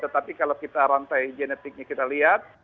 tetapi kalau kita rantai genetiknya kita lihat